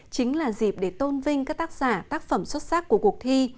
chính là dịp để tôn vinh các tác giả tác phẩm xuất sắc của cuộc thi